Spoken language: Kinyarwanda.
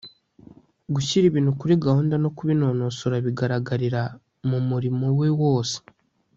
gushyira ibintu kuri gahunda no kubinonosora bigaragarira mu murimo we wose